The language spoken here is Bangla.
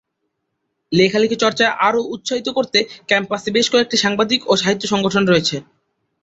লেখালেখি চর্চায় আরও উৎসাহিত করতে ক্যাম্পাসে বেশ কয়েকটি সাংবাদিক ও সাহিত্য সংগঠন রয়েছে।